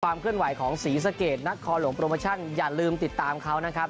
เคลื่อนไหวของศรีสะเกดนักคอหลวงโปรโมชั่นอย่าลืมติดตามเขานะครับ